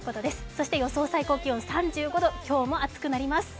そして予想最高気温３５度、今日も暑くなります。